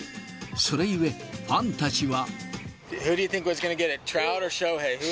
それゆえ、ファンたちは。